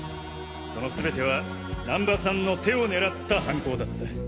そのすべては難波さんの手を狙った犯行だった。